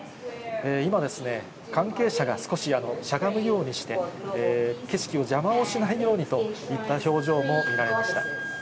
今ですね、関係者が少ししゃがむようにして、景色を邪魔をしないようにといった表情も見られました。